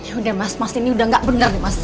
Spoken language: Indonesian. ya udah mas mas ini udah gak benar mas